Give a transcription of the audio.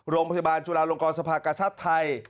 โรงพยาบาลจุฬาลงกรสภากชาติไทย